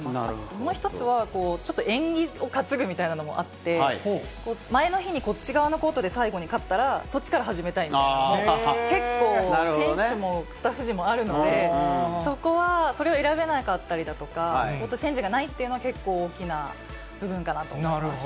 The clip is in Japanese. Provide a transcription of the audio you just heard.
もう一つは、ちょっと縁起を担ぐみたいなのもあって、前の日にこっち側のコートで最後に勝ったら、そっちから始めたいみたいな、結構、選手もスタッフ陣もあるので、そこは、それを選べなかったりだとか、コートチェンジがないっていうのは、結構大きな部分かなと思います。